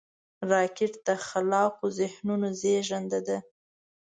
راکټ د خلاقو ذهنونو زیږنده ده